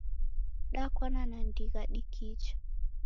Dakwana na ndigha dikicha